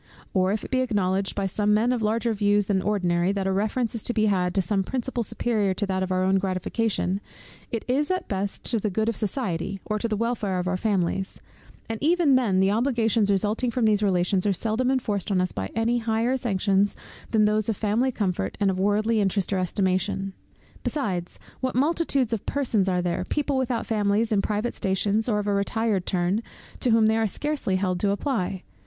Or if it be acknowledged by some men of larger views than ordinary, that a reference is to be had to some principle superior to that of our own gratification, it is, at best, to the good of society, or to the welfare of our families: and even then the obligations resulting from these relations, are seldom enforced on us by any higher sanctions than those of family comfort, and of worldly interest or estimation. Besides; what multitudes of persons are there, people without families, in private stations, or of a retired turn, to whom they are scarcely held to apply!